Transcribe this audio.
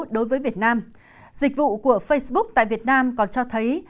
đối với việt nam dịch vụ của facebook tại việt nam còn cho thấy